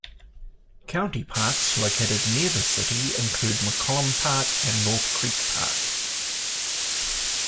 County parks located near the city include McCollum Park and North Creek Park.